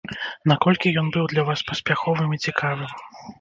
Наколькі ён быў для вас паспяховым і цікавым?